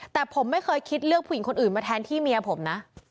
แต่ผมไม่เคยคิดเลือกผู้หญิงคนอื่นมาแทนที่เมียผมนะ